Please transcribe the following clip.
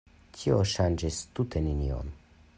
Tio ŝanĝis tute nenion.